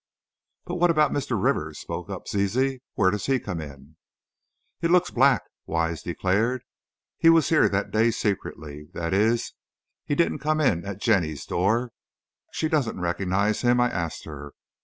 "But what about Mr. Rivers?" spoke up Zizi; "where does he come in?" "It looks black," Wise declared. "He was here that day secretly. That is, he didn't come in at Jenny's door. She doesn't recognize him, I asked her.